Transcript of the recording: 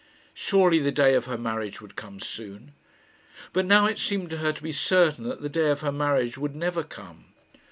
Surely the day of her marriage would come soon. But now it seemed to her to be certain that the day of her marriage would never come.